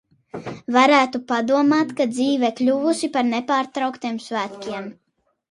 Varētu padomāt, ka dzīve kļuvusi par nepārtrauktiem svētkiem